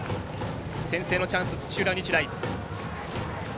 先制のチャンス、土浦日大。